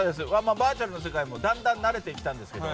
バーチャルの世界もだんだん慣れてきたんですけど